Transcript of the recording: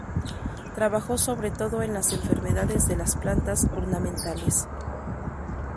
Trabajó sobre todo en las enfermedades de las plantas ornamentales.